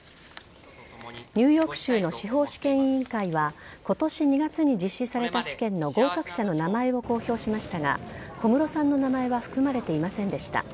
ニューヨーク州の司法試験委員会は今年２月に実施された試験の合格者の名前を公表しましたが小室さんの名前は含まれていませんでした。